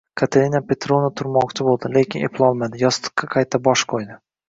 Katerina Petrovna turmoqchi boʻldi, lekin eplolmadi, yostiqqa qayta bosh qoʻydi.